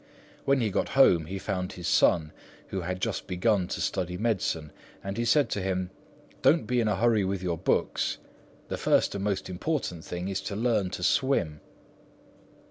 When he got home, he found his son, who had just begun to study medicine, and he said to him, "Don't be in a hurry with your books; the first and most important thing is to learn to swim!"